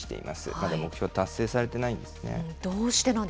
まだ目標、達成されていないんですね。